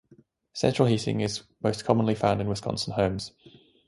Central heating is most commonly found in Wisconsin homes.